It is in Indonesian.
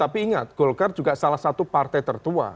pada saat itu partai tertua